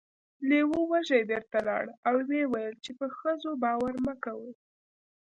لیوه وږی بیرته لاړ او و یې ویل چې په ښځو باور مه کوئ.